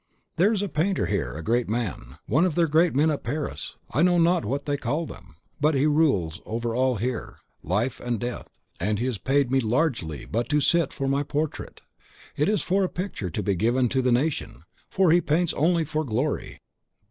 "There is a painter here a great man, one of their great men at Paris, I know not what they call them; but he rules over all here, life and death; and he has paid me largely but to sit for my portrait. It is for a picture to be given to the Nation, for he paints only for glory.